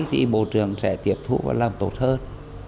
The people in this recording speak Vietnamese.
thì bộ trưởng sẽ tiếp thu và làm tốt hơn